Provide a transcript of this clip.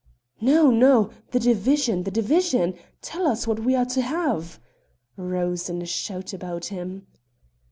"No, no! The division! the division! Tell us what we are to have!" rose in a shout about him.